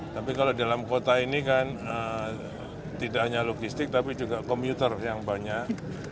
tapi kalau dalam kota ini kan tidak hanya logistik tapi juga komuter yang banyak